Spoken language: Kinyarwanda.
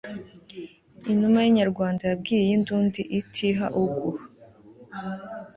inuma yinyarwanda yabwiye iyindundi itiha uguha